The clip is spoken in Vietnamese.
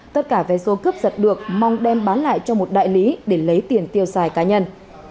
tất cả vé số cướp giật được mong đem bán lại cho một đại lý để lấy tiền tiêu xài cá nhân